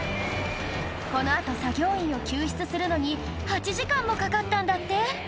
この後作業員を救出するのに８時間もかかったんだって